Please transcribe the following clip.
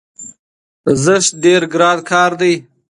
زښت ډېر ګران کار دی،